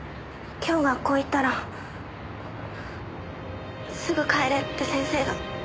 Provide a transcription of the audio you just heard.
今日学校行ったらすぐ帰れって先生が。